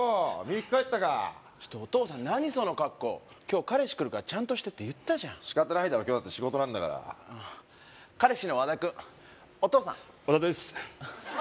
ミユキ帰ったかちょっとお父さん何その格好今日彼氏来るからちゃんとしてって言ったじゃん仕方ないだろ今日だって仕事なんだからああ彼氏の和田くんお父さん和田です